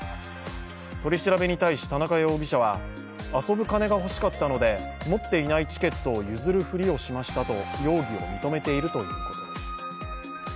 取り調べに対し田中容疑者は遊ぶ金が欲しかったので持っていないチケットを譲るふりをしましたと容疑を認めているということです。